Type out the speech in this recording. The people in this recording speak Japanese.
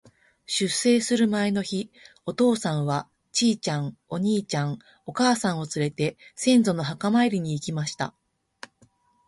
出征する前の日、お父さんは、ちいちゃん、お兄ちゃん、お母さんをつれて、先祖の墓参りに行きました。